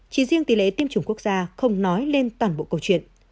chỉ riêng tỷ lệ tiêm chủng quốc gia không nói lên toàn bộ câu chuyện